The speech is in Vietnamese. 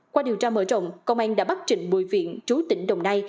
qua điều tra mở rộng công an đã bắt trịnh bộ huyện chú tỉnh đồng nay